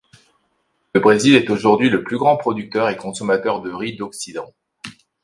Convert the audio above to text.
Le Brésil est aujourd'hui le plus grand producteur et consommateur de riz d'Occident.